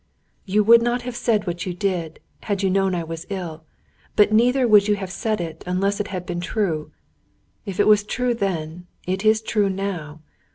"You would not have said what you did, had you known I was ill; but neither would you have said it, unless it had been true. If it was true then, it is true now.